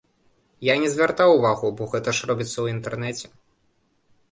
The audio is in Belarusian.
Я не звяртаў увагу, бо гэта ж робіцца ў інтэрнэце.